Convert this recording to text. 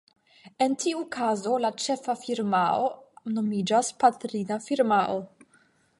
En tiu kazo la ĉefa firmao nomiĝas "patrina firmao".